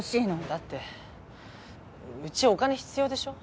だってうちお金必要でしょ？